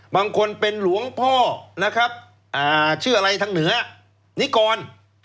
บางคนเป็นหลวงพ่อนะครับชื่ออะไรทางเหนือนิกร